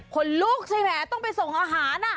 คนลุกใช่ไหมต้องไปส่งอาหาร